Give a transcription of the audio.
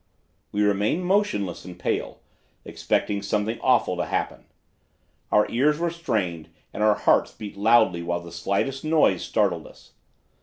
"We remained motionless and pale, expecting something awful to happen. Our ears were strained and our hearts beat loudly while the slightest noise startled us.